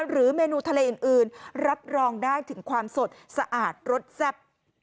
หรือเมนูทะเลอื่นรับรองได้ถึงความสดสะอาดรสแซ่บ